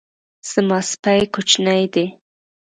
زما سپی کوچنی دی